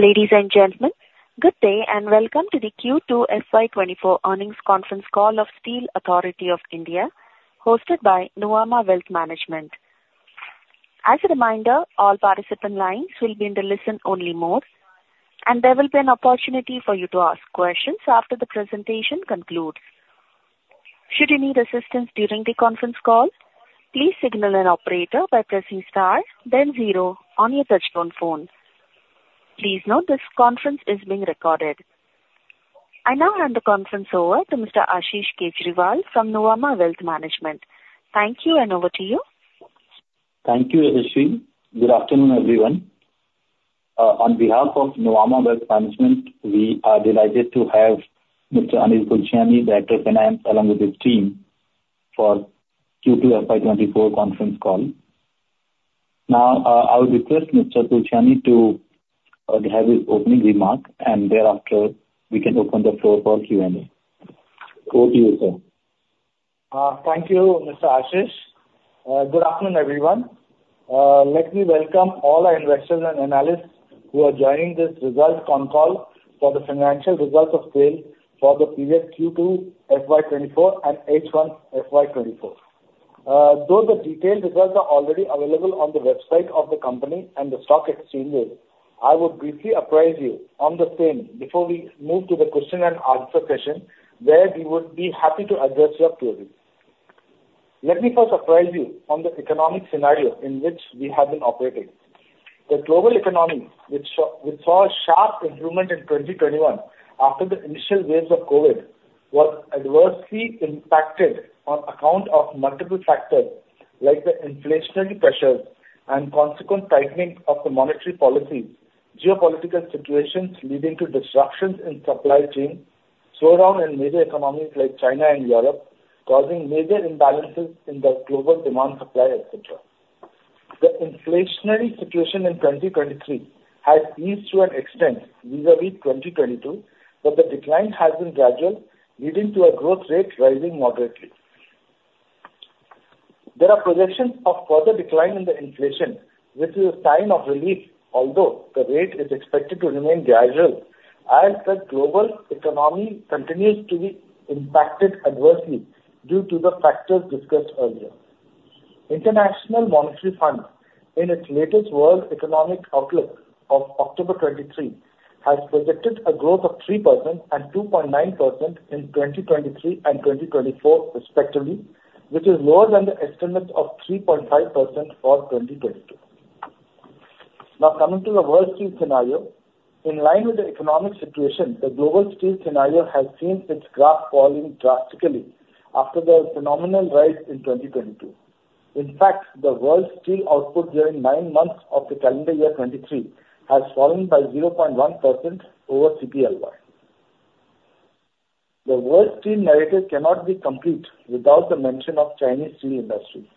Ladies and gentlemen, good day, and welcome to the Q2 FY 2024 earnings conference call of Steel Authority of India, hosted by Nuvama Wealth Management. As a reminder, all participant lines will be in the listen-only mode, and there will be an opportunity for you to ask questions after the presentation concludes. Should you need assistance during the conference call, please signal an operator by pressing star then zero on your touchtone phone. Please note, this conference is being recorded. I now hand the conference over to Mr. Ashish Kejriwal from Nuvama Wealth Management. Thank you, and over to you. Thank you, Ashwin. Good afternoon, everyone. On behalf of Nuvama Wealth Management, we are delighted to have Mr. Anil Tulsiani, the Director, Finance, along with his team for Q2 FY 2024 conference call. Now, I would request Mr. Tulsiani to have his opening remark, and thereafter, we can open the floor for Q&A. Over to you, sir. Thank you, Mr. Ashish. Good afternoon, everyone. Let me welcome all our investors and analysts who are joining this results conference call for the financial results of SAIL for the period Q2 FY 2024 and H1 FY 2024. Though the detailed results are already available on the website of the company and the stock exchanges, I will briefly apprise you on the same before we move to the question and answer session, where we would be happy to address your queries. Let me first apprise you on the economic scenario in which we have been operating. The global economy, which which saw a sharp improvement in 2021 after the initial waves of Covid, was adversely impacted on account of multiple factors, like the inflationary pressures and consequent tightening of the monetary policy, geopolitical situations leading to disruptions in supply chain, slowdown in major economies like China and Europe, causing major imbalances in the global demand supply, et cetera. The inflationary situation in 2023 has eased to an extent vis-à-vis 2022, but the decline has been gradual, leading to a growth rate rising moderately. There are projections of further decline in the inflation, which is a sign of relief, although the rate is expected to remain gradual as the global economy continues to be impacted adversely due to the factors discussed earlier. International Monetary Fund, in its latest World Economic Outlook of October 2023, has projected a growth of 3% and 2.9% in 2023 and 2024 respectively, which is lower than the estimate of 3.5% for 2022. Now, coming to the world steel scenario. In line with the economic situation, the global steel scenario has seen its graph falling drastically after the phenomenal rise in 2022. In fact, the world steel output during nine months of the calendar year 2023 has fallen by 0.1% over CPLY. The world steel narrative cannot be complete without the mention of Chinese steel industry.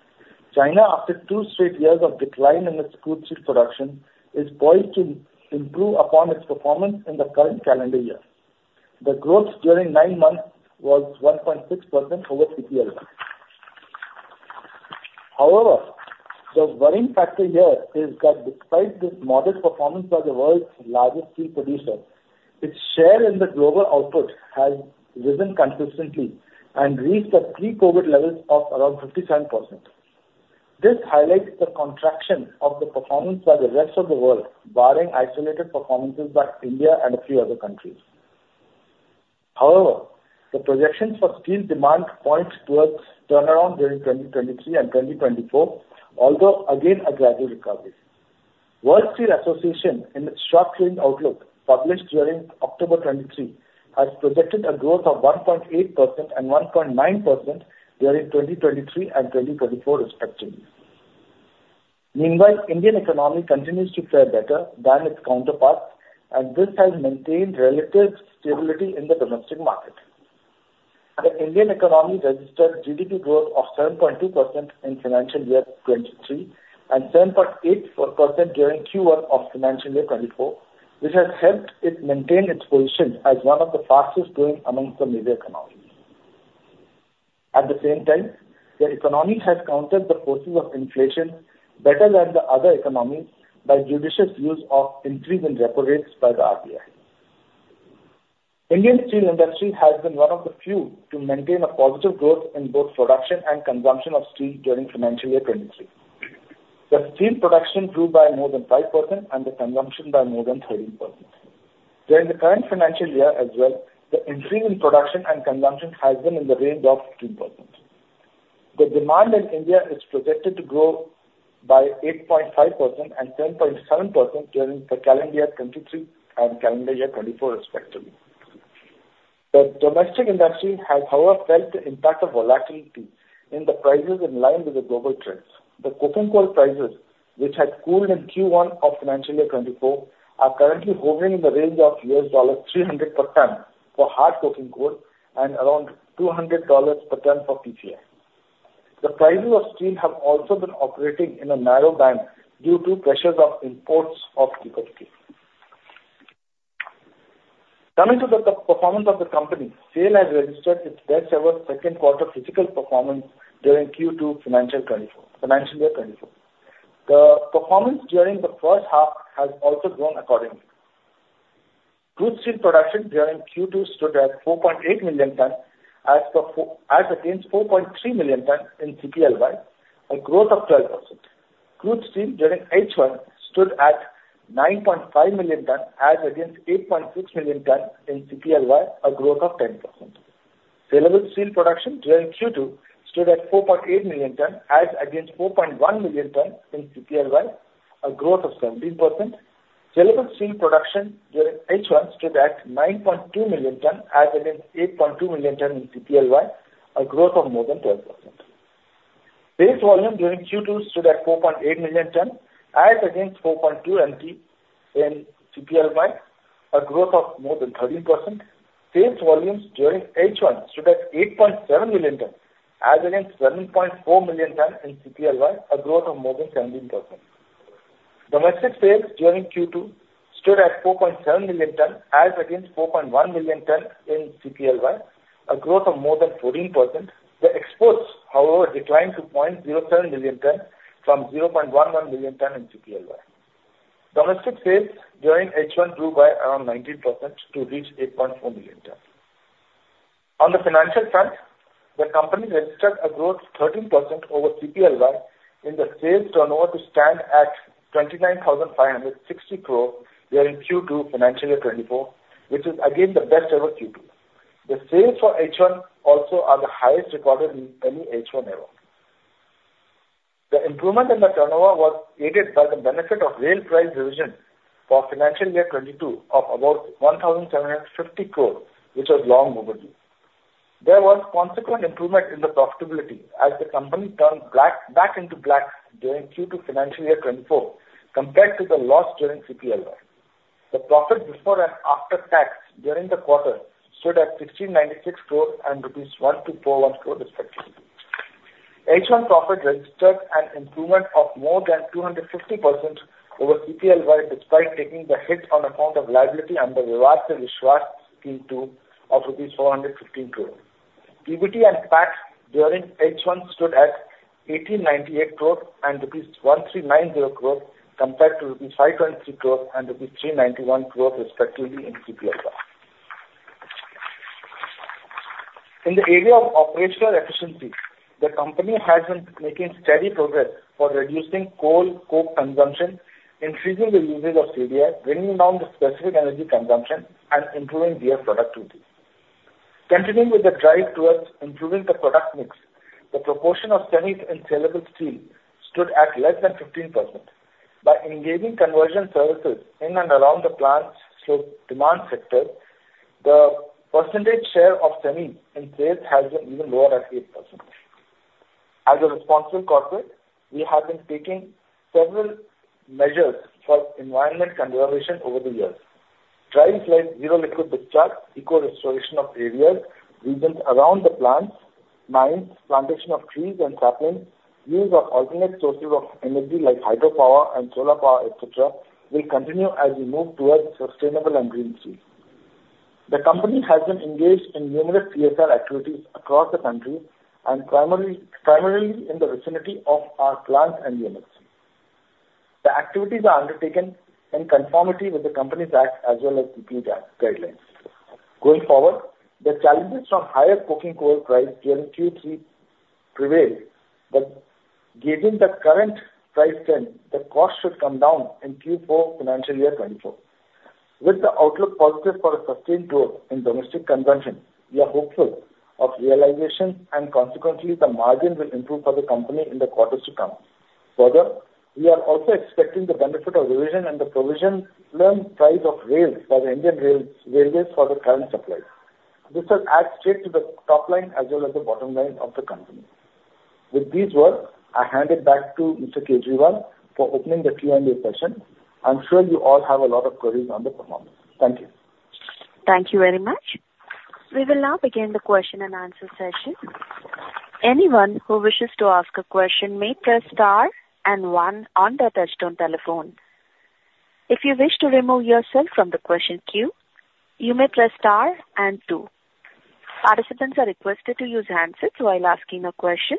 China, after two straight years of decline in its crude steel production, is poised to improve upon its performance in the current calendar year. The growth during nine months was 1.6% over CPLY. However, the worrying factor here is that despite this modest performance by the world's largest steel producer, its share in the global output has risen consistently and reached the pre-COVID levels of around 57%. This highlights the contraction of the performance by the rest of the world, barring isolated performances by India and a few other countries. However, the projections for steel demand points towards turnaround during 2023 and 2024, although again, a gradual recovery. World Steel Association, in its short-term outlook, published during October 2023, has projected a growth of 1.8% and 1.9% during 2023 and 2024, respectively. Meanwhile, Indian economy continues to fare better than its counterparts, and this has maintained relative stability in the domestic market. The Indian economy registered GDP growth of 7.2% in financial year 2023 and 7.8% during Q1 of financial year 2024, which has helped it maintain its position as one of the fastest growing among the major economies. At the same time, the economy has countered the forces of inflation better than the other economies by judicious use of increase in repo rates by the RBI. Indian steel industry has been one of the few to maintain a positive growth in both production and consumption of steel during financial year 2023. The steel production grew by more than 5% and the consumption by more than 13%. During the current financial year as well, the increase in production and consumption has been in the range of 15%. The demand in India is projected to grow by 8.5% and 10.7% during the calendar year 2023 and calendar year 2024, respectively. The domestic industry has, however, felt the impact of volatility in the prices in line with the global trends. The coking coal prices, which had cooled in Q1 of financial year 2024, are currently hovering in the range of $300 per tonne for hard coking coal and around $200 per tonne for PCI. The prices of steel have also been operating in a narrow band due to pressures of imports of cheaper steel. Coming to the performance of the company, SAIL has registered its best ever second quarter physical performance during Q2 financial 2024, financial year 2024. The performance during the first half has also grown accordingly. Crude steel production during Q2 stood at 4.8 million tons, as per four, as against 4.3 million tons in CPLY, a growth of 12%. Crude steel during H1 stood at 9.5 million tons, as against 8.6 million tons in CPLY, a growth of 10%. Saleable steel production during Q2 stood at 4.8 million tons, as against 4.1 million tons in CPLY, a growth of 17%. Saleable steel production during H1 stood at 9.2 million tons, as against 8.2 million tons in CPLY, a growth of more than 12%. Sales volume during Q2 stood at 4.8 million tons, as against 4.2 MT in CPLY, a growth of more than 13%. Sales volumes during H1 stood at 8.7 million tons, as against 7.4 million tons in CPLY, a growth of more than 17%. Domestic sales during Q2 stood at 4.7 million tons, as against 4.1 million tons in CPLY, a growth of more than 14%. The exports, however, declined to 0.07 million tons from 0.11 million tons in CPLY. Domestic sales during H1 grew by around 19% to reach 8.4 million tons. On the financial front, the company registered a growth of 13% over CPLY in the sales turnover to stand at 29,560 crore during Q2 financial year 2024, which is again the best ever Q2. The sales for H1 also are the highest recorded in any H1 ever. The improvement in the turnover was aided by the benefit of rail price revision for financial year 2022 of about 1,750 crore, which was long overdue. There was consequent improvement in the profitability as the company turned black, back into black during Q2 financial year 2024, compared to the loss during CPLY. The profit before and after tax during the quarter stood at 1,696 crore and rupees 1,241 crore respectively. H1 profit registered an improvement of more than 250% over CPLY, despite taking the hit on account of liability under Vivad Se Vishwas Scheme 2 of INR 415 crore. PBT and PAT during H1 stood at 1,898 crore and rupees 1,390 crore, compared to rupees 523 crore and rupees 391 crore respectively in CPLY. In the area of operational efficiency, the company has been making steady progress for reducing coke consumption, increasing the usage of CDI, bringing down the specific energy consumption and improving BF productivity. Continuing with the drive towards improving the product mix, the proportion of semi and saleable steel stood at less than 15%. By engaging conversion services in and around the plants' local demand sector, the percentage share of semi in sales has been even lower at 8%. As a responsible corporate, we have been taking several measures for environmental conservation over the years. Drives like zero liquid discharge, eco-restoration of areas, regions around the plants, mines, plantation of trees and saplings, use of alternate sources of energy like hydropower and solar power, et cetera, will continue as we move towards sustainable and green steel. The company has been engaged in numerous CSR activities across the country and primarily in the vicinity of our plants and units. The activities are undertaken in conformity with the Companies Act as well as the DPE guidelines. Going forward, the challenges from higher coking coal price during Q3 prevail. But given the current price trend, the cost should come down in Q4 financial year 2024. With the outlook positive for a sustained growth in domestic consumption, we are hopeful of realization and consequently, the margin will improve for the company in the quarters to come. Further, we are also expecting the benefit of revision in the provisionally arrived price of rails for the Indian Railways for the current supply. This will add directly to the top line as well as the bottom line of the company. With these words, I hand it back to Mr. Kejriwal for opening the Q&A session. I'm sure you all have a lot of queries on the performance. Thank you. Thank you very much. We will now begin the question and answer session. Anyone who wishes to ask a question may press star and one on their touchtone telephone. If you wish to remove yourself from the question queue, you may press star and two. Participants are requested to use handsets while asking a question.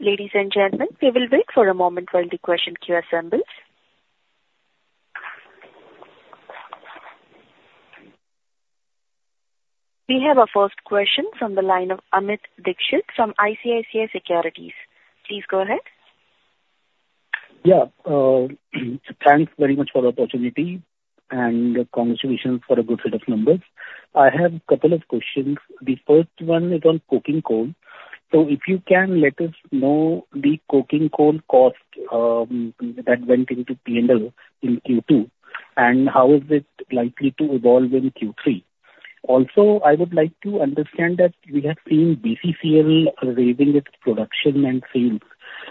Ladies and gentlemen, we will wait for a moment while the question queue assembles. We have our first question from the line of Amit Dixit from ICICI Securities. Please go ahead. Yeah, thanks very much for the opportunity and congratulations for a good set of numbers. I have a couple of questions. The first one is on coking coal. So if you can, let us know the coking coal cost, that went into PNL in Q2, and how is it likely to evolve in Q3? Also, I would like to understand that we have seen BCCL raising its production and sales.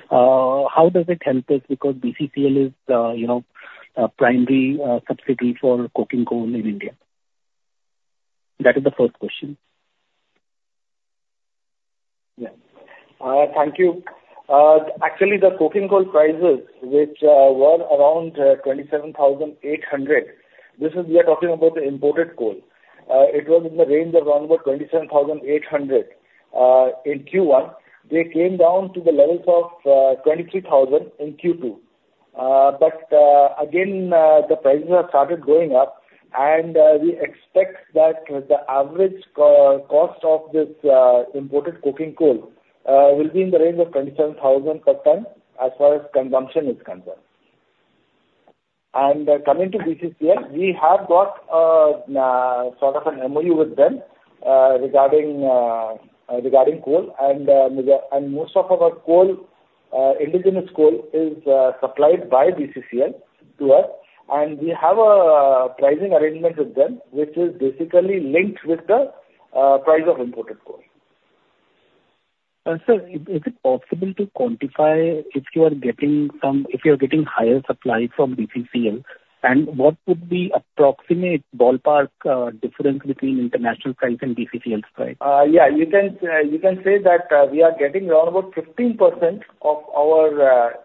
How does it help us? Because BCCL is, you know, a primary supplier for coking coal in India. That is the first question. Yeah. Thank you. Actually, the coking coal prices, which were around 27,800. This is, we are talking about the imported coal. It was in the range of around about 27,800. In Q1, they came down to the levels of 23,000 in Q2. But again, the prices have started going up, and we expect that the average cost of this imported coking coal will be in the range of 27,000 per ton as far as consumption is concerned. Coming to BCCL, we have got sort of an MOU with them regarding coal and most of our coal, indigenous coal is supplied by BCCL to us, and we have a pricing arrangement with them, which is basically linked with the price of imported coal. Sir, is it possible to quantify if you are getting higher supply from BCCL? What would be approximate ballpark difference between international price and BCCL's price? Yeah, you can say that we are getting around about 15% of our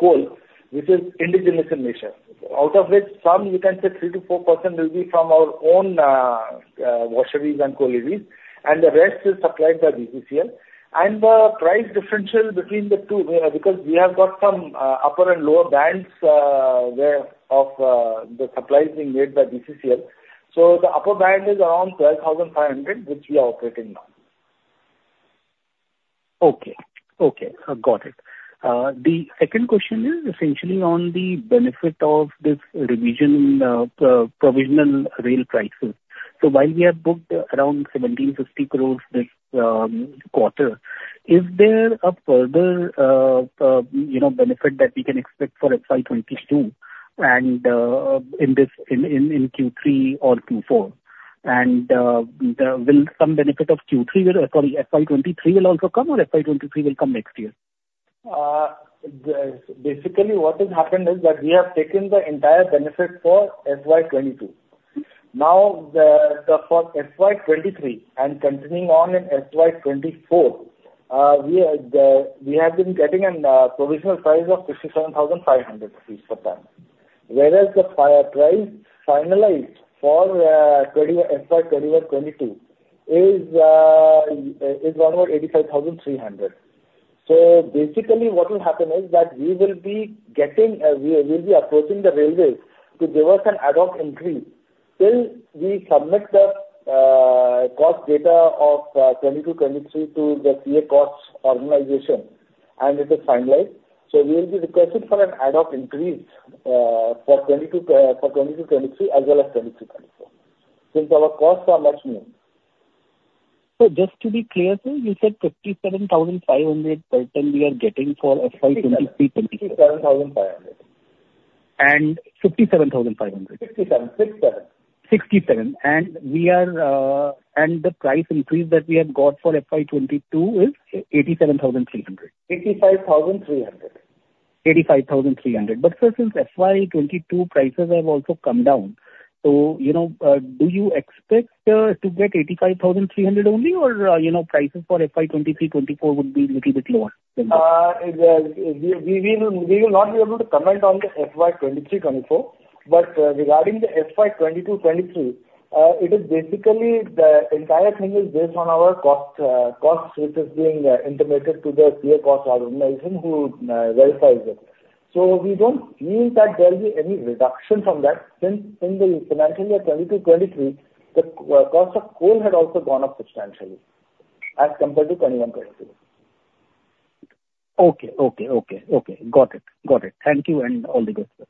coal, which is indigenous in nature. Out of it, some you can say 3%-4% will be from our own washeries and collieries, and the rest is supplied by BCCL. And the price differential between the two, you know, because we have got some upper and lower bands where of the supplies being made by BCCL. So the upper band is around 12,500, which we are operating now. Okay. Okay, I've got it. The second question is essentially on the benefit of this revision, provisional rail prices. So while we have booked around 1,750 crore this quarter, is there a further, you know, benefit that we can expect for FY 2022, and in this Q3 or Q4? And will some benefit of Q3 FY 2023 also come, or FY 2023 will come next year? Basically what has happened is that we have taken the entire benefit for FY 2022. Now, for FY 2023 and continuing on in FY 2024, we have been getting a provisional price of 67,500 rupees per ton. Whereas the final price finalized for FY 2021, 2022, is around 85,300. So basically, what will happen is that we will be approaching the railway to give us an ad hoc increase till we submit the cost data of 2022, 2023 to the CA Cost organization, and it is finalized. So we will be requesting for an ad hoc increase for 2022, 2023, as well as 2023, 2024, since our costs are much more. So just to be clear, sir, you said 57,500 per ton we are getting for FY 2023-24. 67,500. 57,500. 67, 67. 67. And we are, and the price increase that we have got for FY 2022 is 87,300. 85,300. 85,300. But, sir, since FY 2022 prices have also come down, so, you know, do you expect to get 85,300 only, or, you know, prices for FY23, FY24 would be little bit lower? We will not be able to comment on the FY 2023-2024. But regarding the FY 2022-2023, it is basically the entire thing is based on our costs, which is being intimated to the CA cost organization who verifies it. So we don't feel that there will be any reduction from that, since in the financial year 2022-2023, the cost of coal had also gone up substantially as compared to 2021-2022. Okay. Okay, okay, okay. Got it. Got it. Thank you, and all the best, sir.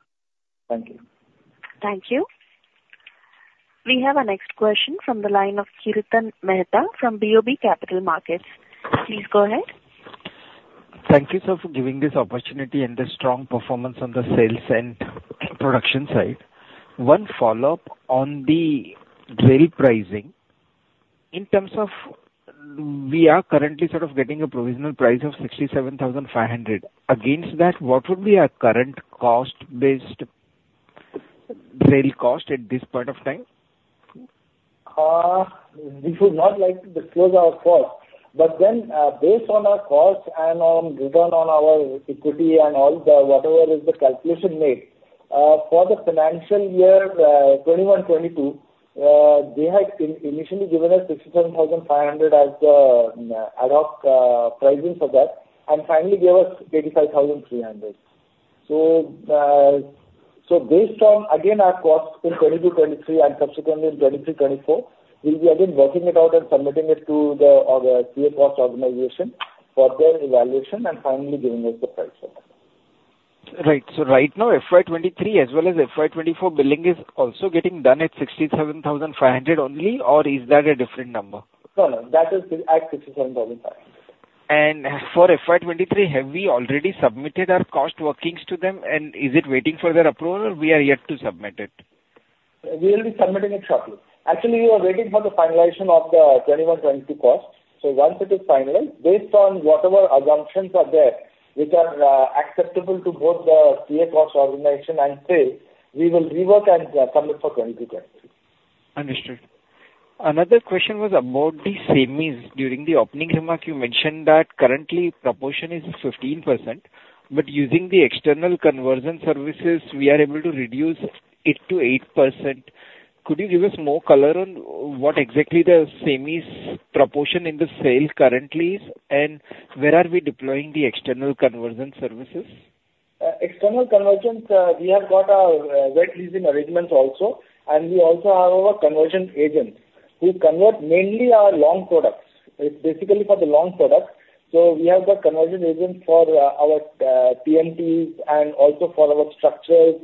Thank you. Thank you. We have our next question from the line of Kirtan Mehta from BOB Capital Markets. Please go ahead. Thank you, sir, for giving this opportunity and the strong performance on the sales and production side. One follow-up on the rail pricing. In terms of... We are currently sort of getting a provisional price of 67,500. Against that, what would be our current cost based rail cost at this point of time? We would not like to disclose our cost. But then, based on our cost and on return on our equity and all the, whatever is the calculation made, for the financial year 2021-2022, they had initially given us 67,500 as the ad hoc pricing for that, and finally, gave us 85,300. So, so based on, again, our costs in 2022-2023, and subsequently in 2023-2024, we'll be again working it out and submitting it to the the CA cost organization for their evaluation, and finally, giving us the price for that. Right. So right now, FY 2023 as well as FY 2024 billing is also getting done at 67,500 only, or is that a different number? No, no, that is still at 67,500. For FY 2023, have we already submitted our cost workings to them, and is it waiting for their approval, or we are yet to submit it? We will be submitting it shortly. Actually, we are waiting for the finalization of the 2021, 2022 costs. So once it is finalized, based on whatever assumptions are there, which are acceptable to both the CA Cost organization and sales, we will rework and submit for 2023. Understood. Another question was about the semis. During the opening remark, you mentioned that currently proportion is 15%, but using the external conversion services, we are able to reduce it to 8%. Could you give us more color on what exactly the semis proportion in the sales currently is, and where are we deploying the external conversion services? External conversions, we have got our wet leasing arrangements also, and we also have our conversion agents who convert mainly our long products. It's basically for the long products. So we have got conversion agents for our TMTs and also for our structures.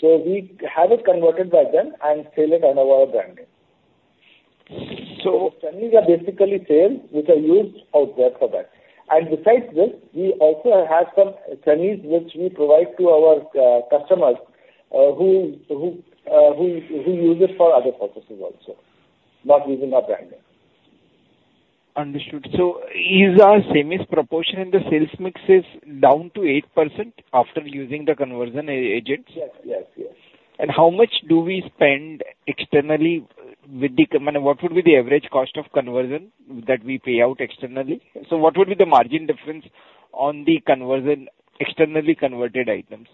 So we have it converted by them and sell it on our branding. So semis are basically sales, which are used out there for that. And besides this, we also have some semis which we provide to our customers who use it for other purposes also, not using our branding. Understood. So is our semis proportion in the sales mix down to 8% after using the conversion agents? Yes. Yes. Yes. How much do we spend externally... I mean, what would be the average cost of conversion that we pay out externally? So what would be the margin difference on the conversion, externally converted items?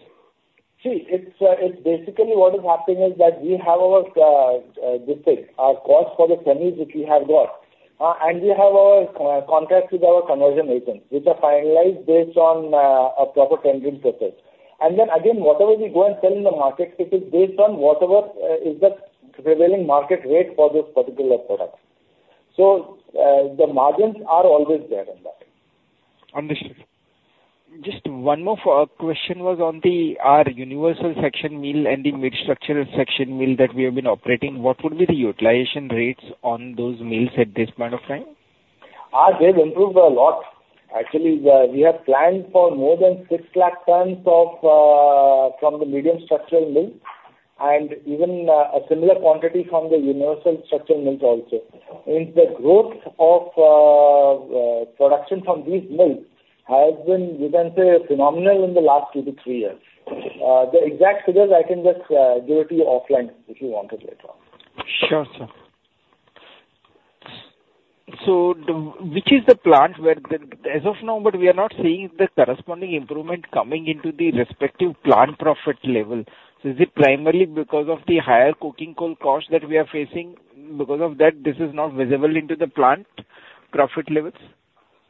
See, it's basically what is happening is that we have our distinct our cost for the semis which we have got, and we have our contracts with our conversion agents, which are finalized based on a proper tender process. And then again, whatever we go and sell in the market, it is based on whatever is the prevailing market rate for this particular product. So, the margins are always there in that. Understood. Just one more follow-up question was on our universal section mill and the Medium Structural Section Mill that we have been operating. What would be the utilization rates on those mills at this point of time? They've improved a lot. Actually, we have planned for more than 600,000 tons of from the medium structural mill, and even a similar quantity from the universal structural mills also. In the growth of production from these mills has been, you can say, phenomenal in the last two to three years. The exact figures I can just give it to you offline if you want it later on. Sure, sir. So, which is the plant where the... As of now, but we are not seeing the corresponding improvement coming into the respective plant profit level. So, is it primarily because of the higher coking coal cost that we are facing? Because of that, this is not visible into the plant profit levels?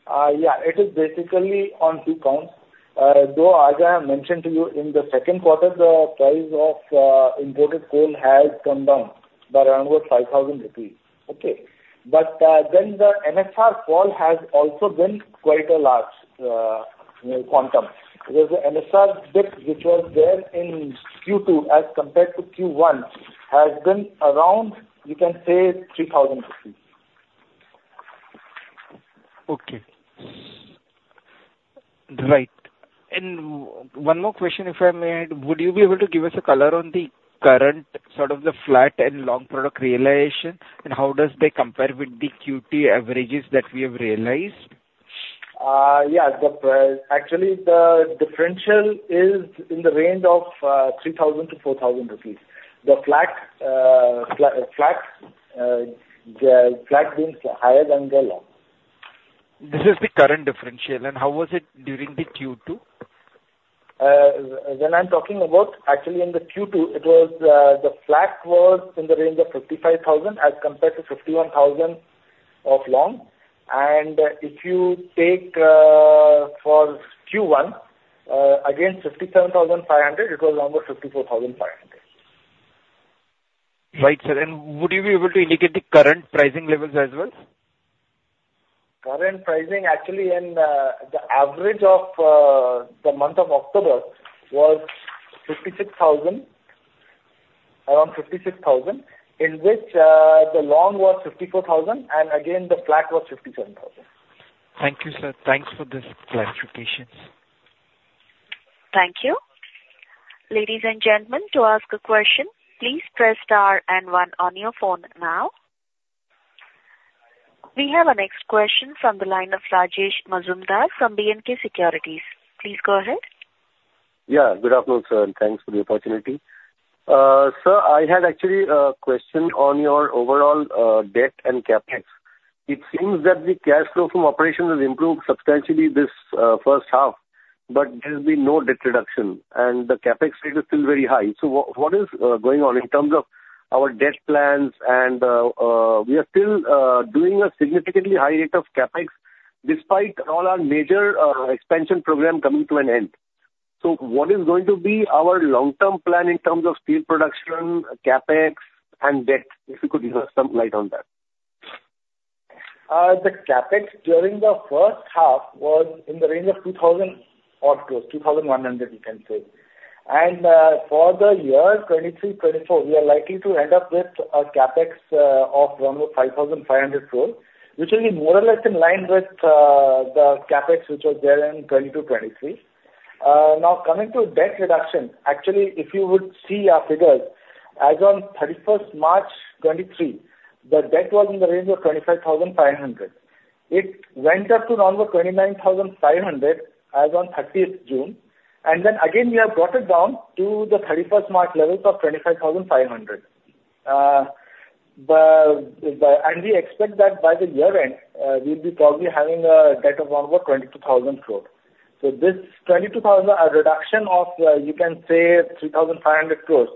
Yeah, it is basically on two counts. Though, as I have mentioned to you, in the second quarter, the price of imported coal has come down by around 5,000 rupees, okay? But then the NSR fall has also been quite a large, you know, quantum. Because the NSR dip, which was there in Q2 as compared to Q1, has been around, you can say, 3,000 rupees. Okay. Right. And one more question, if I may. Would you be able to give us a color on the current, sort of the flat and long product realization, and how does they compare with the Q2 averages that we have realized? Yeah. Actually, the differential is in the range of 3,000-4,000 rupees. The flat being higher than the long. This is the current differential, and how was it during the Q2? When I'm talking about, actually in the Q2, it was, the flat was in the range of 55,000 as compared to 51,000 of long. And if you take, for Q1, again, 57,500, it was around 54,500. Right, sir. And would you be able to indicate the current pricing levels as well? Current pricing, actually in the average of the month of October was 56,000, around 56,000, in which the long was 54,000, and again, the flat was 57,000. Thank you, sir. Thanks for this clarification. Thank you. Ladies and gentlemen, to ask a question, please press star and one on your phone now. We have our next question from the line of Rajesh Majumdar from B&K Securities. Please go ahead. Yeah, good afternoon, sir, and thanks for the opportunity. Sir, I had actually a question on your overall debt and CapEx. It seems that the cash flow from operation has improved substantially this first half, but there's been no debt reduction and the CapEx rate is still very high. So what is going on in terms of our debt plans and we are still doing a significantly high rate of CapEx, despite all our major expansion program coming to an end. So what is going to be our long-term plan in terms of steel production, CapEx and debt, if you could shed some light on that? The CapEx during the first half was in the range of 2,000 or close, 2,100, you can say. For the year 2023-2024, we are likely to end up with a CapEx of around 5,500 crores, which will be more or less in line with the CapEx which was there in 2022-2023. Now coming to debt reduction, actually, if you would see our figures, as on March 31st 2023, the debt was in the range of 25,500. It went up to around 29,500 as on June 30th, and then again, we have brought it down to the March 31st levels of 25,500. And we expect that by the year end, we'll be probably having a debt of around about 22,000 crore. This 22,000 crore, a reduction of, you can say, 3,500 crore,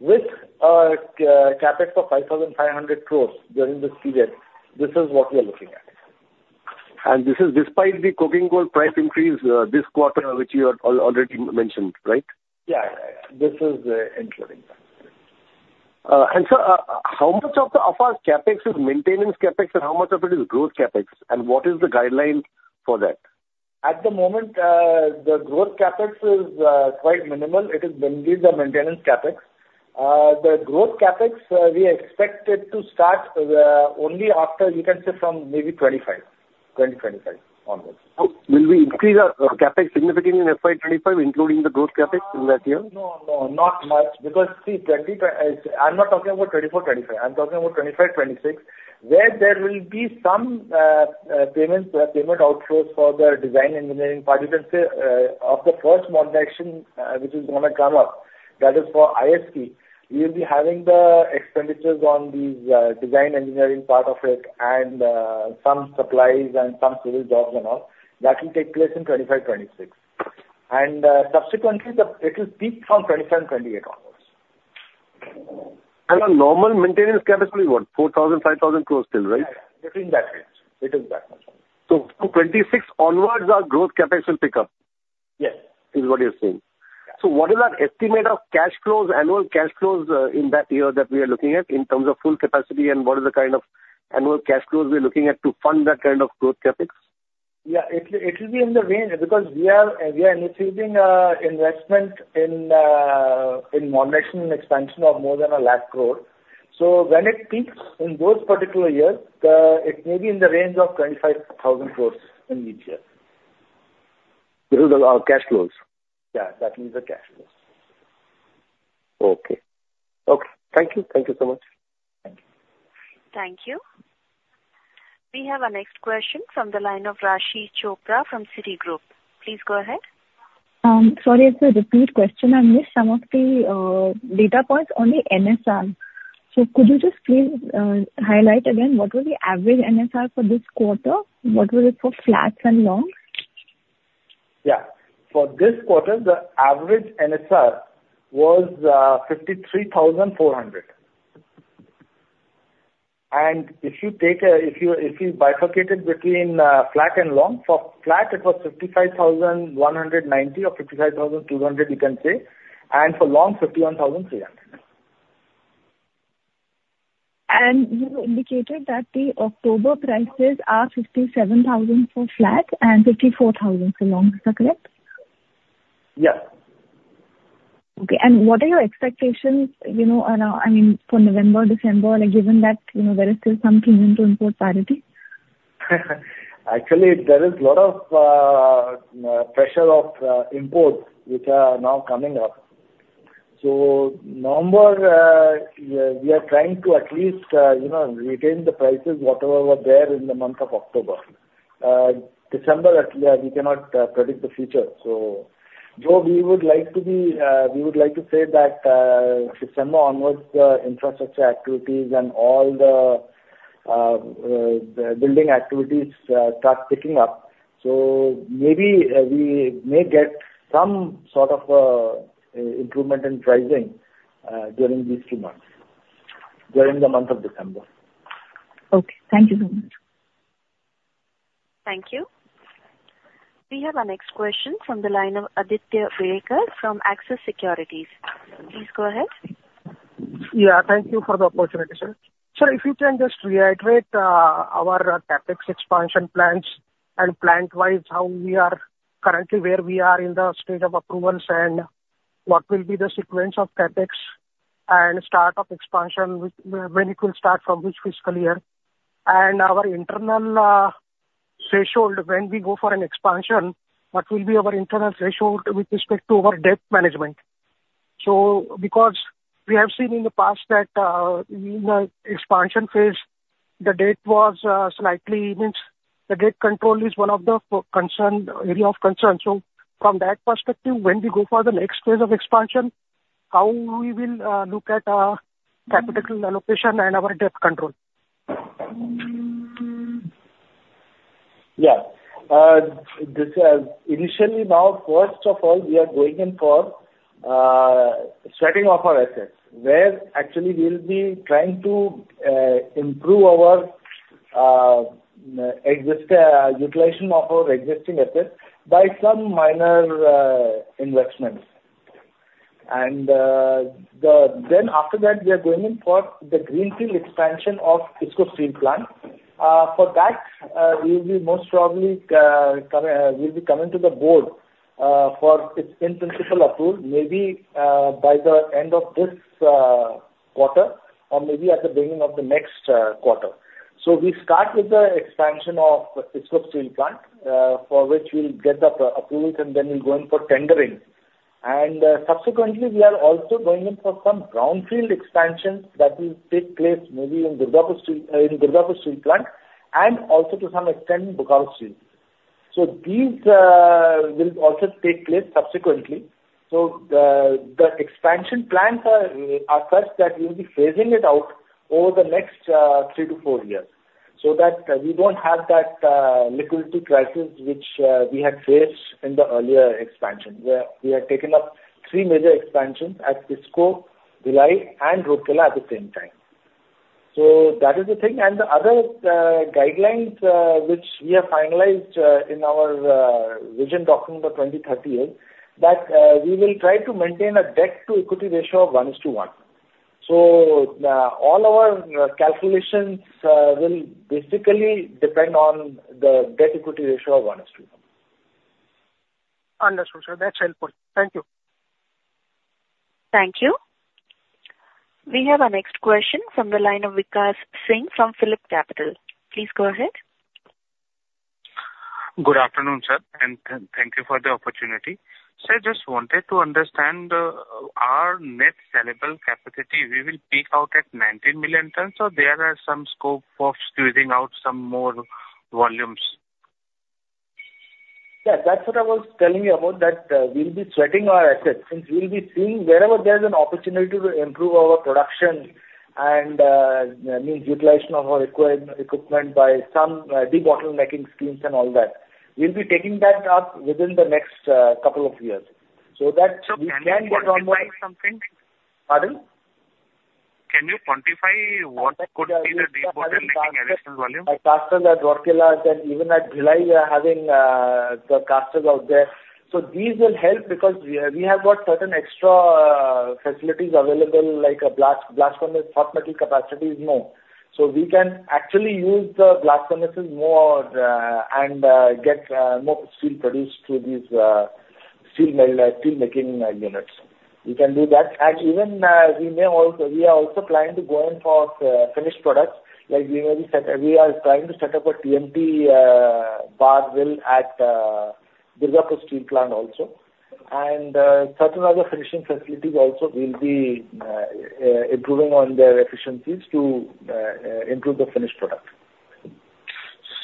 with CapEx of 5,500 crore during this period, this is what we are looking at. This is despite the coking coal price increase this quarter, which you have already mentioned, right? Yeah. This is, including that. Sir, how much of our CapEx is maintenance CapEx, and how much of it is growth CapEx, and what is the guideline for that? At the moment, the growth CapEx is quite minimal. It is mainly the maintenance CapEx. The growth CapEx, we expect it to start only after, you can say from maybe 2025 onwards. Will we increase our CapEx significantly in FY 2025, including the growth CapEx in that year? No, no, not much, because see, I'm not talking about 2024, 2025. I'm talking about 2025, 2026, where there will be some payments, payment outflows for the design engineering part, you can say, of the first modernization, which is gonna come up, that is for ISP. We will be having the expenditures on these design engineering part of it and some supplies and some civil jobs and all. That will take place in 2025, 2026. And, subsequently, it will peak from 2027, 2028 onwards. Our normal maintenance CapEx will be what? 4,000-5,000 crore still, right? Yeah, between that range. Between that much. 2026 onwards, our growth CapEx will pick up. Yes. is what you're saying. Yeah. What is our estimate of cash flows, annual cash flows, in that year that we are looking at in terms of full capacity, and what is the kind of annual cash flows we're looking at to fund that kind of growth CapEx? Yeah, it will, it will be in the range, because we are, we are initiating investment in, in modernization and expansion of more than 100,000 crore. So when it peaks in those particular years, it may be in the range of 25,000 crore in each year. These are the, our cash flows? Yeah, that means the cash flows. Okay. Okay, thank you. Thank you so much. Thank you. Thank you. We have our next question from the line of Raashi Chopra from Citigroup. Please go ahead. Sorry if it's a repeat question. I missed some of the data points on the NSR. So could you just please highlight again what was the average NSR for this quarter? What was it for flats and longs? Yeah. For this quarter, the average NSR was 53,400. And if you bifurcate it between flat and long, for flat it was 55,190 or 55,200, you can say, and for long, 51,300. You indicated that the October prices are 57,000 for flat and 54,000 for long. Is that correct? Yes. Okay, and what are your expectations, you know, I mean, for November, December, like, given that, you know, there is still some room to import parity? Actually, there is a lot of pressure of imports which are now coming up. So November, we are trying to at least, you know, retain the prices, whatever were there in the month of October. December, actually, we cannot predict the future. So though we would like to be, we would like to say that, December onwards, the infrastructure activities and all the, the building activities, start picking up. So maybe, we may get some sort of, improvement in pricing, during these two months, during the month of December. Okay. Thank you so much. Thank you. We have our next question from the line of Aditya Welekar from Axis Securities. Please go ahead. Yeah, thank you for the opportunity, sir. Sir, if you can just reiterate our CapEx expansion plans and plant-wise, how we are currently where we are in the state of approvals and what will be the sequence of CapEx and start of expansion, with when it will start, from which fiscal year? And our internal threshold, when we go for an expansion, what will be our internal threshold with respect to our debt management? So because we have seen in the past that in the expansion phase, the debt was slightly... means the debt control is one of the concern, area of concern. So from that perspective, when we go for the next phase of expansion, how we will look at capital allocation and our debt control? Yeah. This, initially, now, first of all, we are going in for shedding off our assets, where actually we'll be trying to improve our existing utilization of our existing assets by some minor investments. And, then after that, we are going in for the greenfield expansion of Visakhapatnam plant. For that, we will be most probably coming, we'll be coming to the board for its in-principle approval, maybe by the end of this quarter or maybe at the beginning of the next quarter. So we start with the expansion of Visakhapatnam steel plant, for which we'll get the approvals, and then we'll go in for tendering. Subsequently, we are also going in for some brownfield expansion that will take place maybe in Durgapur Steel Plant, and also to some extent, Bokaro Steel Plant. So these will also take place subsequently. So the expansion plans are such that we'll be phasing it out over the next three to four years, so that we don't have that liquidity crisis which we had faced in the earlier expansion, where we had taken up three major expansions at Visakhapatnam, Bhilai, and Rourkela at the same time. So that is the thing. And the other guidelines which we have finalized in our vision document for 2030 is that we will try to maintain a debt-to-equity ratio of 1:1.All our calculations will basically depend on the debt-equity ratio of 1:1. Understood, sir. That's helpful. Thank you. Thank you. We have our next question from the line of Vikash Singh from Phillip Capital. Please go ahead. Good afternoon, sir, and thank you for the opportunity. Sir, just wanted to understand, our net sellable capacity, we will peak out at 19 million tons, or there are some scope for squeezing out some more volumes? Yeah, that's what I was telling you about, that, we'll be sweating our assets, since we'll be seeing wherever there's an opportunity to improve our production and, means utilization of our required equipment by some, debottlenecking schemes and all that. We'll be taking that up within the next, couple of years, so that we can get on board- Can you quantify something? Pardon? Can you quantify what could be the bottleneck additional volume? Our casters at Rourkela and even at Bhilai, we are having the casters out there. So these will help because we have got certain extra facilities available, like a blast furnace, hot metal capacities more. So we can actually use the blast furnaces more and get more steel produced through these steelmaking units. We can do that. And even we may also... We are also planning to go in for finished products, like we are planning to set up a TMT bar mill at Durgapur Steel Plant also. And certain other finishing facilities also will be improving on their efficiencies to improve the finished product.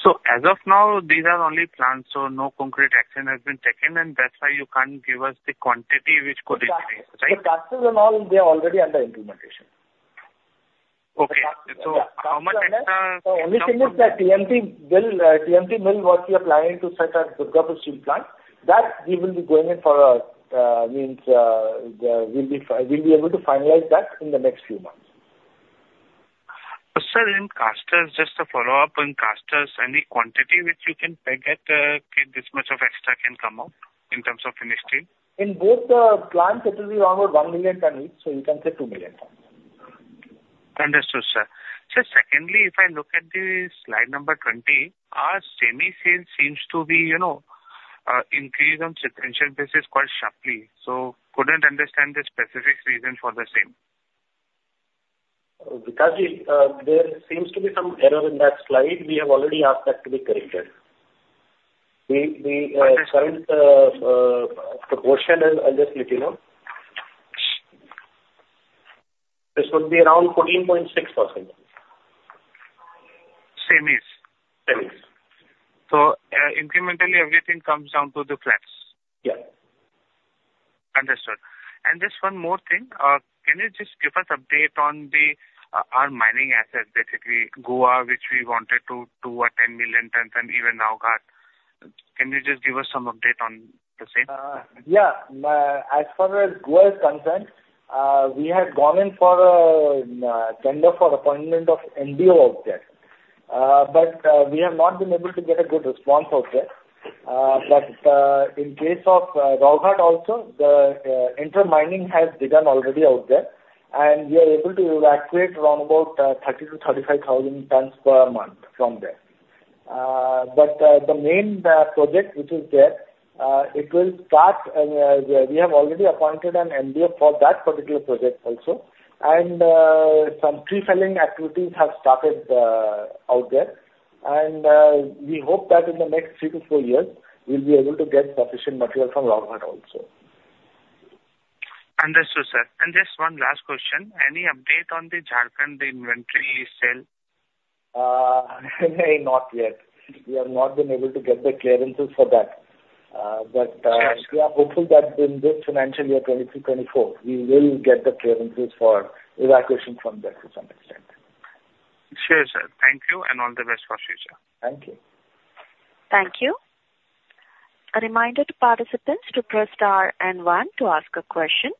So as of now, these are only plans, so no concrete action has been taken, and that's why you can't give us the quantity which could increase, right? The casters and all, they are already under implementation. Okay. So how much extra? The only thing is the TMT mill, TMT mill, what we are planning to set at Durgapur Steel Plant, that we will be going in for, we'll be able to finalize that in the next few months. Sir, in casters, just to follow up, on casters, any quantity which you can peg at, this much of extra can come out in terms of finished steel? In both the plants, it will be around 1 million ton each, so you can say two million tons. Understood, sir. So secondly, if I look at the slide number 20, our semis sales seems to be, you know, increased on sequential basis quite sharply, so couldn't understand the specific reason for the same? Because there seems to be some error in that slide. We have already asked that to be corrected. Current proportion, I'll just let you know. This would be around 14.6%. Semis? Semis. So, incrementally, everything comes down to the flats? Yes. Understood. And just one more thing. Can you just give us update on the our mining assets, basically Gua, which we wanted to do a 10 million tons, and even Rowghat. Can you just give us some update on the same? Yeah. As far as Gua is concerned, we had gone in for a tender for appointment of MDO out there, but we have not been able to get a good response out there. But in case of Rowghat also, the interim mining has begun already out there, and we are able to evacuate around about 30,000-35,000 tons per month from there. But the main project, which is there, it will start. We have already appointed an MDO for that particular project also. And some pre-filling activities have started out there. And we hope that in the next three to four years, we'll be able to get sufficient material from Rowghat also. Understood, sir. Just one last question: Any update on the Jharkhand inventory sale? Not yet. We have not been able to get the clearances for that. But we are hopeful that in this financial year, 2023-2024, we will get the clearances for evacuation from there to some extent. Sure, sir. Thank you, and all the best for future. Thank you. Thank you. A reminder to participants to press star and one to ask a question.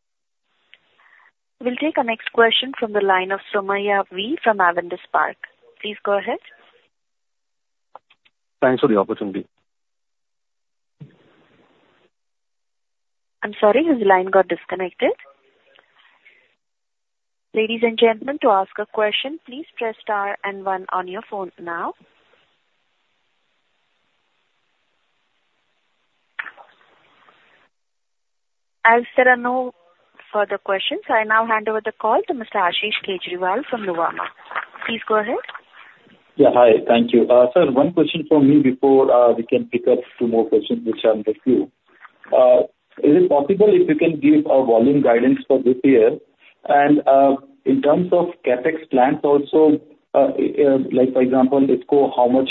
We'll take our next question from the line of Somaiah V. from Avendus Spark. Please go ahead. Thanks for the opportunity. I'm sorry, his line got disconnected. Ladies and gentlemen, to ask a question, please press star and one on your phone now. As there are no further questions, I now hand over the call to Mr. Ashish Kejriwal from Nuvama. Please go ahead. Yeah, hi, thank you. Sir, one question from me before we can pick up two more questions which are in the queue. Is it possible if you can give a volume guidance for this year? And, in terms of CapEx plans also, like for example, let's go how much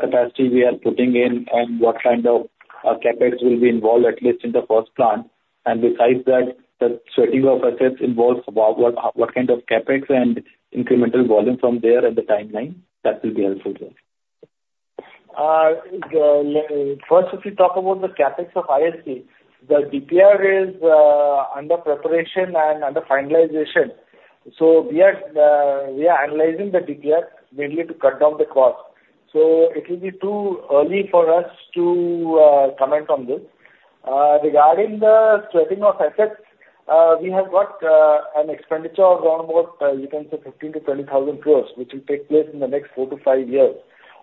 capacity we are putting in and what kind of CapEx will be involved, at least in the first plant. And besides that, the sweating of assets involves about what kind of CapEx and incremental volume from there, and the timeline, that will be helpful, sir. The first, if you talk about the CapEx of ISP, the DPR is under preparation and under finalization. So we are analyzing the DPR, mainly to cut down the cost. So it will be too early for us to comment on this. Regarding the sweating of assets, we have got an expenditure of around about, you can say 15,000 crore-20,000 crore, which will take place in the next four to five years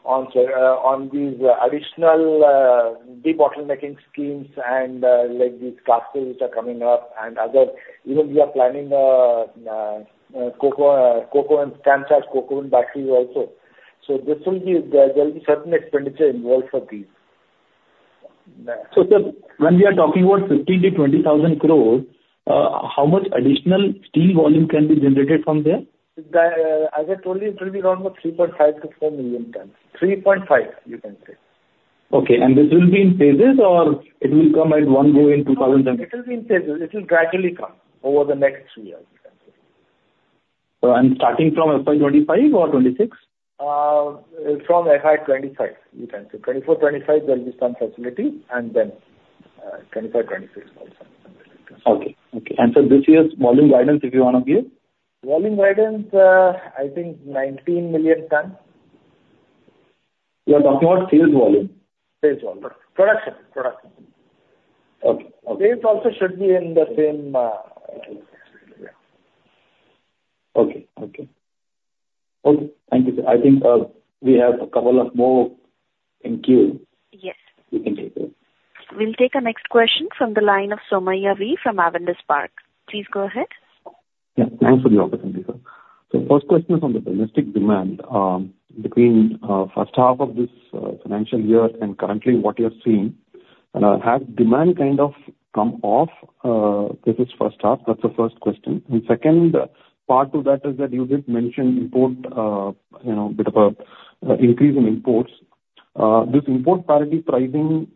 on these additional debottlenecking schemes and like these clusters which are coming up and other. Even we are planning coke oven batteries also. So this will be, there will be certain expenditure involved for these. So sir, when we are talking about 15,000 crore-20,000 crore, how much additional steel volume can be generated from there? As I told you, it will be around about 3.5 million tons to four million tons. 3.5, you can say. Okay, and this will be in phases or it will come at one go in 2025 and- It will be in phases. It will gradually come over the next three years, you can say. And starting from FY 2025 or FY 2026? From FY 2025, you can say. 2024, 2025, there will be some facility, and then, 2025, 2026, also. Okay. Okay, and so this year's volume guidance, if you want to give? Volume guidance, I think 19 million tons. You are talking about sales volume? Sales volume. Production, production. Okay, okay. Sales also should be in the same. Okay, okay. Okay, thank you, sir. I think, we have a couple of more in queue. Yes. We can take it. We'll take our next question from the line of Somaiah V. from Avendus Spark. Please go ahead. Yeah, thanks for the opportunity, sir. So first question is on the domestic demand, between first half of this financial year and currently what you're seeing, and has demand kind of come off with this first half? That's the first question. And second part to that is that you did mention import, you know, bit of a increase in imports. This import parity pricing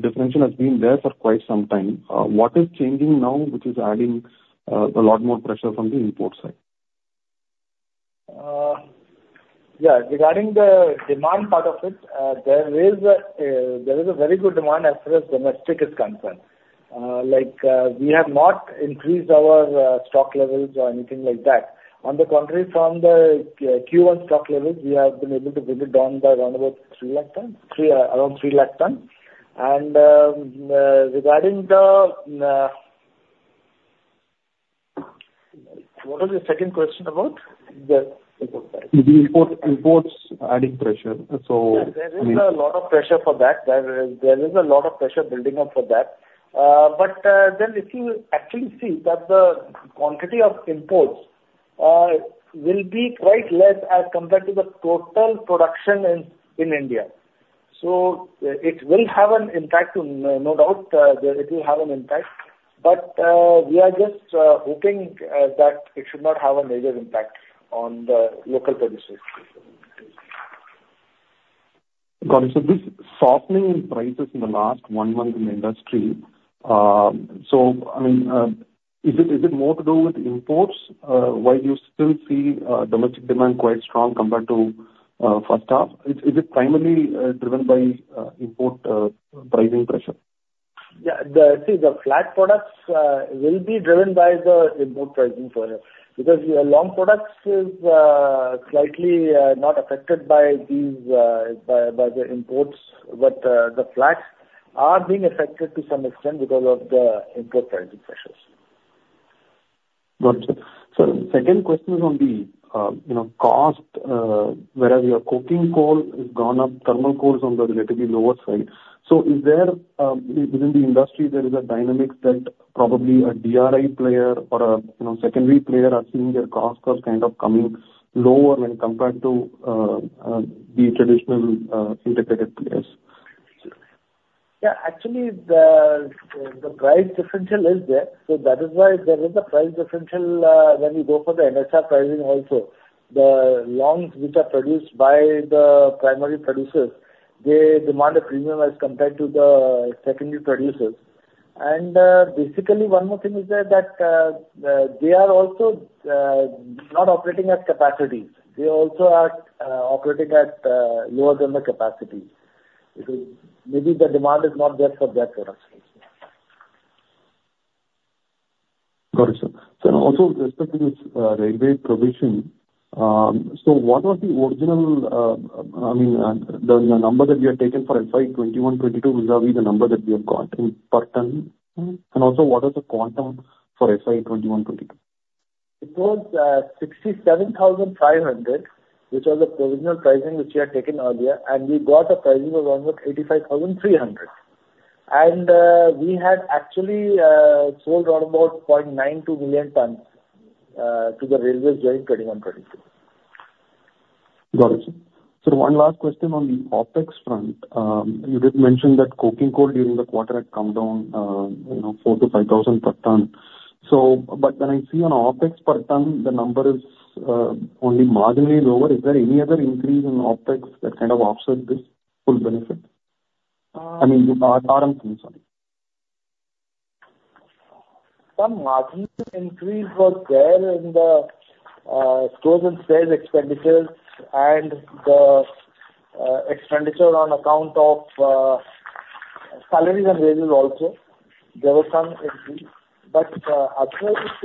differentiation has been there for quite some time. What is changing now, which is adding a lot more pressure from the import side? Yeah, regarding the demand part of it, there is a very good demand as far as domestic is concerned. Like, we have not increased our stock levels or anything like that. On the contrary, from the Q1 stock levels, we have been able to bring it down by around about 300,000 tons, 3, around 300,000 tons. And, regarding the... What was the second question about? The import part. Imports adding pressure, so- Yeah, there is a lot of pressure for that. There is, there is a lot of pressure building up for that. But then if you actually see that the quantity of imports will be quite less as compared to the total production in India. So it will have an impact, no doubt, that it will have an impact, but we are just hoping that it should not have a major impact on the local producers. Got it. So this softening in prices in the last one month in the industry, so I mean, is it, is it more to do with imports? While you still see, domestic demand quite strong compared to, first half, is, is it primarily, driven by, import, pricing pressure? Yeah, see, the Flat Products will be driven by the import pricing for here. Because your Long Products is slightly not affected by these by the imports, but the flats are being affected to some extent because of the import pricing pressures. Got you. So the second question is on the, you know, cost, whereas your coking coal has gone up, thermal coal is on the relatively lower side. So is there, within the industry, there is a dynamic that probably a DRI player or a, you know, secondary player are seeing their cost curves kind of coming lower when compared to, the traditional, integrated players? Yeah, actually, the price differential is there, so that is why there is a price differential when you go for the NSR pricing also. The longs which are produced by the primary producers, they demand a premium as compared to the secondary producers. And, basically, one more thing is that they are also not operating at capacity. They also are operating at lower than the capacity. Because maybe the demand is not there for that production. Got it, sir. So also with respect to this, railway provision, so what was the original, I mean, the number that we have taken for FY 2021-22 vis-à-vis the number that we have got per ton? And also, what is the quantum for FY 2021-22?... It was 67,500, which was the provisional pricing which we had taken earlier, and we got a pricing of around about 85,300. And we had actually sold around about 0.92 million tons to the railways during 2021, 2022. Got it. So one last question on the OpEx front. You did mention that coking coal during the quarter had come down, you know, 4,000-5,000 per ton. So, but when I see on OpEx per ton, the number is only marginally lower. Is there any other increase in OpEx that kind of offset this full benefit? I mean, sorry. Some marginal increase was there in the stores and sales expenditures and the expenditure on account of salaries and wages also. There were some increase, but actually, it's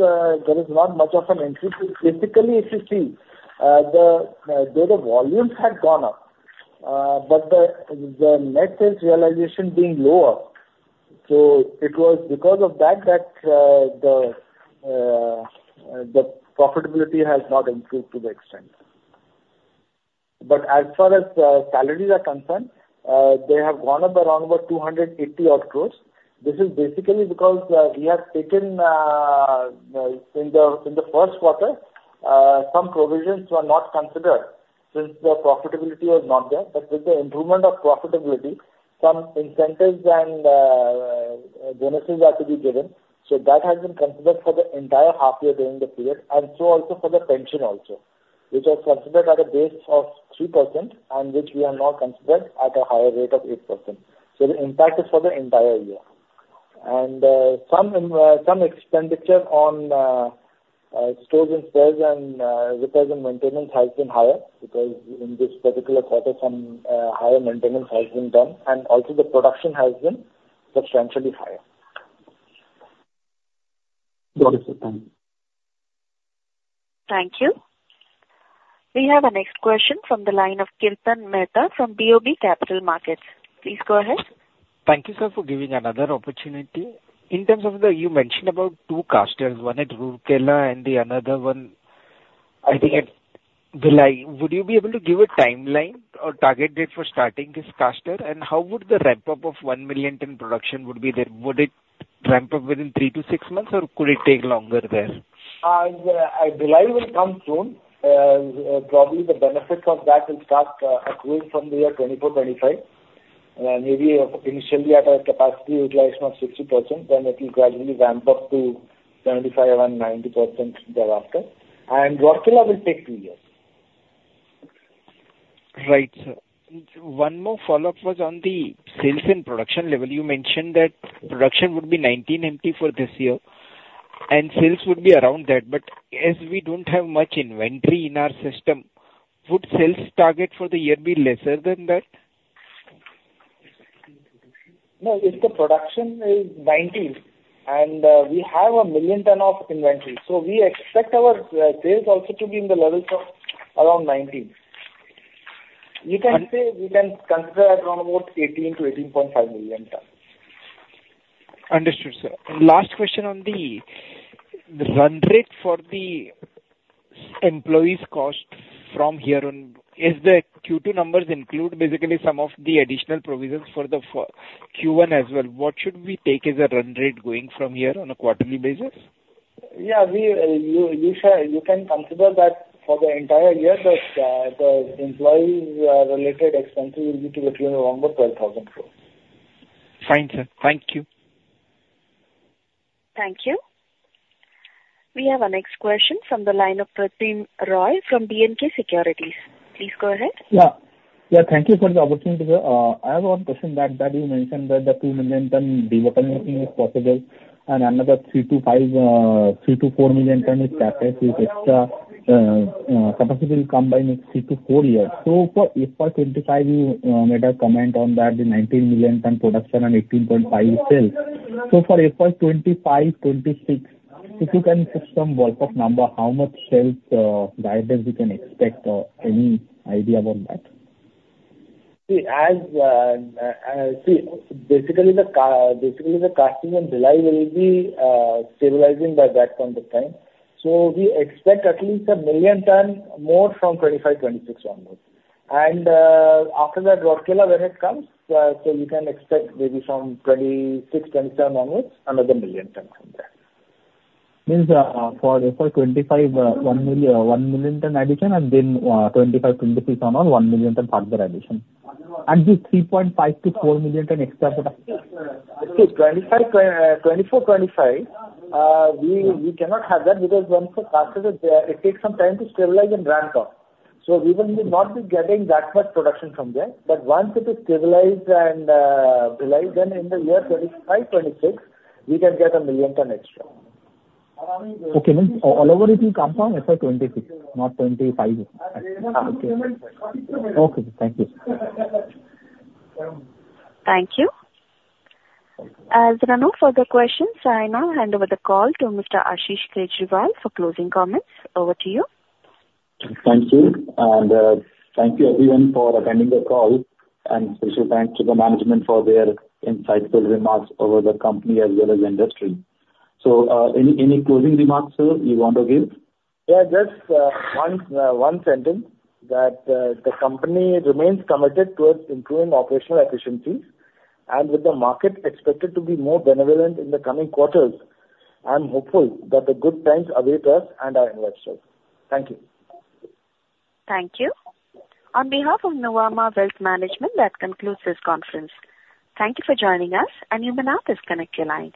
there is not much of an increase. Basically, if you see, the volumes had gone up, but the net sales realization being lower. So it was because of that, that the profitability has not improved to the extent. But as far as salaries are concerned, they have gone up around about 280-odd crore. This is basically because we have taken in the first quarter some provisions were not considered since the profitability was not there. But with the improvement of profitability, some incentives and bonuses are to be given. So that has been considered for the entire half year during the period, and so also for the pension also, which was considered at a base of 3%, and which we have now considered at a higher rate of 8%. So the impact is for the entire year. And, some expenditure on stores and sales and repairs and maintenance has been higher, because in this particular quarter, some higher maintenance has been done, and also the production has been substantially higher. Got it, sir. Thank you. Thank you. We have our next question from the line of Kirtan Mehta from BOB Capital Markets. Please go ahead. Thank you, sir, for giving another opportunity. In terms of the, you mentioned about two casters, one at Rourkela and the another one, I think, at Bhilai. Would you be able to give a timeline or target date for starting this caster? And how would the ramp up of 1 million ton production would be there? Would it ramp up within three to six months, or could it take longer there? Bhilai will come soon. Probably the benefits of that will start accruing from the year 2024, 2025. Maybe initially at a capacity utilization of 60%, then it will gradually ramp up to 75% and 90% thereafter. Rourkela will take two years. Right, sir. One more follow-up was on the sales and production level. You mentioned that production would be 19 MT for this year, and sales would be around that. But as we don't have much inventory in our system, would sales target for the year be lesser than that? No, if the production is 19, and, we have a million ton of inventory, so we expect our, sales also to be in the levels of around 19. You can say, we can consider around about 18 million tons-18.5 million tons. Understood, sir. Last question on the run rate for the employees' cost from here on. Is the Q2 numbers include basically some of the additional provisions for the Q1 as well? What should we take as a run rate going from here on a quarterly basis? Yeah, we, you, you can consider that for the entire year, that, the employees related expenses will be to between around about 12,000 crore. Fine, sir. Thank you. Thank you. We have our next question from the line of Pratim Roy from BNK Securities. Please go ahead. Yeah. Yeah, thank you for the opportunity. I have one question that, that you mentioned that the two million ton debottlenecking is possible, and another three to five million ton, three to five million ton is capacity extra, capacity will come by next three to four years. So for FY 2025, you made a comment on that, the 19 million tons production and 18.5 million tons in sales. So for FY 2025, 2026, if you can give some ballpark number, how much sales guidance we can expect, or any idea about that? See, basically the casting in Bhilai will be stabilizing by that point of time, so we expect at least 1 million ton more from 2025, 2026 onwards. After that, Rourkela, when it comes, so you can expect maybe from 2026, 2027 onwards, another million ton from there. Means, for FY 2025, one million, one million ton addition, and then, 2025, 2026 onwards, one million ton further addition. And the 3.5 to four million ton extra production? Okay, 2024-2025, we cannot have that, because once the caster is there, it takes some time to stabilize and ramp up. So we will not be getting that much production from there. But once it is stabilized and Bhilai, then in the year 2025-2026, we can get one million ton extra. Okay. Means all over it will come from FY 2026, not 2025. Okay. Okay, thank you. Thank you. As there are no further questions, I now hand over the call to Mr. Ashish Kejriwal for closing comments. Over to you. Thank you. And thank you everyone for attending the call, and special thanks to the management for their insightful remarks over the company as well as the industry. So, any closing remarks, sir, you want to give? Yeah, just one sentence, that the company remains committed towards improving operational efficiencies. And with the market expected to be more benevolent in the coming quarters, I'm hopeful that the good times await us and our investors. Thank you. Thank you. On behalf of Nuvama Wealth Management, that concludes this conference. Thank you for joining us, and you may now disconnect your lines.